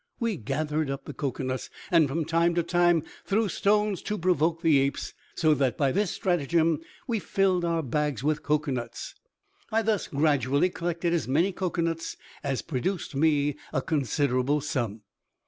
We gathered up the cocoanuts, and from time to time threw stones to provoke the apes; so that by this stratagem we filled our bags with cocoanuts. I thus gradually collected as many cocoanuts as produced me a considerable sum.